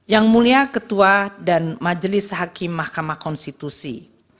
yang mulia ketua dan majelis hakim mahkamah konstitusi